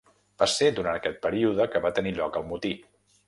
Va ser durant aquest període que va tenir lloc el motí.